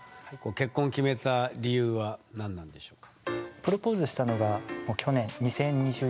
結婚を決めた理由は何なんでしょうか？